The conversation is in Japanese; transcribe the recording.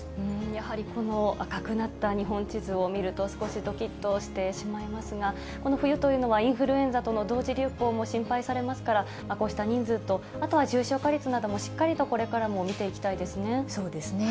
やはりこの赤くなった日本地図を見ると、少しどきっとしてしまいますが、この冬というのは、インフルエンザとの同時流行も心配されますから、こうした人数と、あとは重症化率などもしっかりとこれからも見ていきたいですね。